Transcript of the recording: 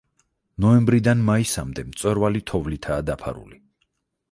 ნოემბრიდან მაისამდე, მწვერვალი თოვლითაა დაფარული.